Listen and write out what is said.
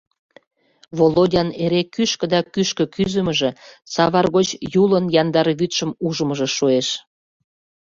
Володян эре кӱшкӧ да кӱшкӧ кӱзымыжӧ, савар гоч Юлын яндар вӱдшым ужмыжо шуэш.